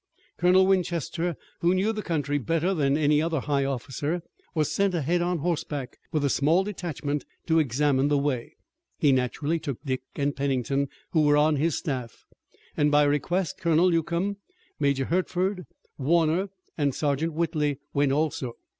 Colonel Winchester, who knew the country better than any other high officer, was sent ahead on horseback with a small detachment to examine the way. He naturally took Dick and Pennington, who were on his staff, and by request, Colonel Newcomb, Major Hertford, Warner and Sergeant Whitley went also.